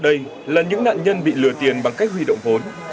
đây là những nạn nhân bị lừa tiền bằng cách huy động vốn